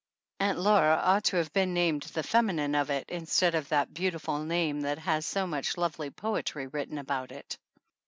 Aunt Laura ought to have been named the feminine of it, instead of that beautiful name that has so much lovely poetry written about it.